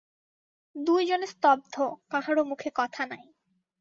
দুই জনে স্তব্ধ, কাহারও মুখে কথা নাই।